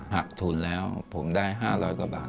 หักทุนแล้วผมได้๕๐๐กว่าบาท